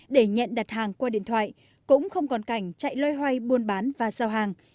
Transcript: để nhận đặt hàng qua điện thoại cũng không còn cảnh chạy loay hoay buôn bán và giao hàng